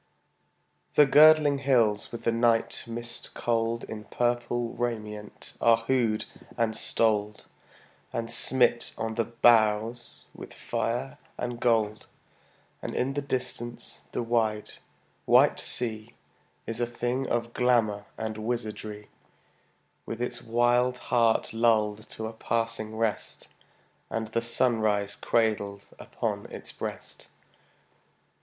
The girdling hills with the night mist cold In purple raiment are hooded and stoled And smit on the brows with fire and gold; And in the distance the wide, white sea Is a thing of glamor and wizardry, With its wild heart lulled to a passing rest, And the sunrise cradled upon its breast.